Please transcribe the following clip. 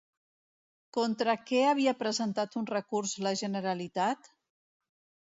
Contra què havia presentat un recurs la Generalitat?